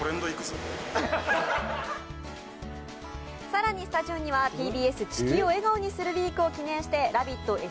更にスタジオにはＴＢＳ「地球を笑顔にするＷＥＥＫ」を記念して「ラヴィット！」